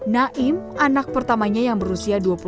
naim anak pertamanya yang berusia dua puluh tahun